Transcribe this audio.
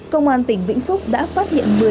công an tỉnh vĩnh phúc đã phát hiện